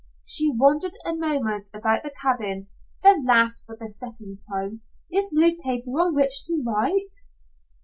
She wandered a moment about the cabin, then laughed for the second time. "Is no paper on which to write."